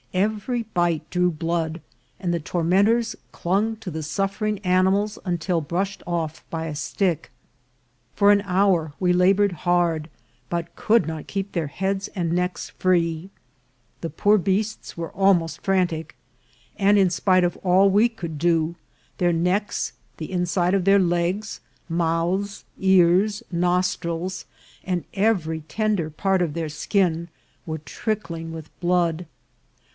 Every bite drew blood, and the tormentors clung to the suffering animals until brush ed off by a stick. For an hour we laboured hard, but could not keep their heads and necks free. The poor beasts were almost frantic, and, in spite of all we could do, their necks, the inside of their legs, mouths, ears, nostrils, and every tender part of their skin, were trick ling with blood.